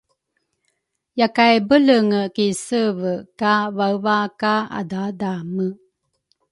Yakay belenge ki seve ka vaeva ka adhaadhame